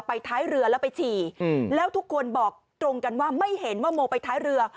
ท้ายเรือแล้วไปฉี่แล้วทุกคนบอกตรงกันว่าไม่เห็นว่าโมไปท้ายเรือ